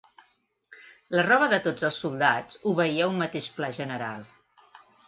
La roba de tots els soldats obeïa a un mateix pla general